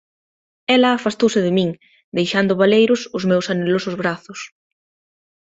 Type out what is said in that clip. Ela afastouse de min, deixando baleiros os meus anhelosos brazos.